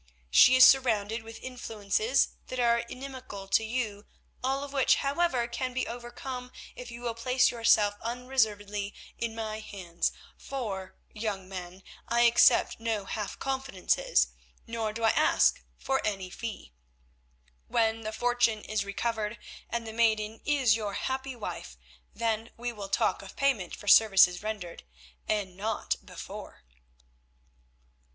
She is surrounded with influences that are inimical to you, all of which, however, can be overcome if you will place yourself unreservedly in my hands, for, young man, I accept no half confidences, nor do I ask for any fee. When the fortune is recovered and the maiden is your happy wife, then we will talk of payment for services rendered, and not before."